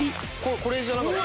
これじゃなかった？